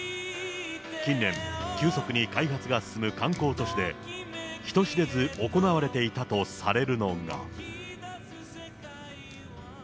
近年、急速に開発が進む観光都市で、人知れず行われていたとされるのが。